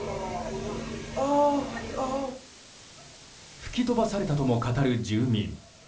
吹き飛ばされたとも語る住民。